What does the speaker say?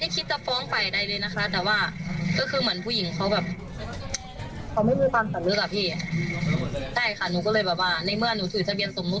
ใช่ค่ะหนูก็เลยแบบว่าในเมื่อหนูถือทะเบียนสมมุ